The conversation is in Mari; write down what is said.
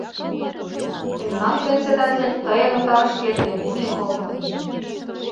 Мемнан председатель тыйын отарышкет ревизийым колтынеже...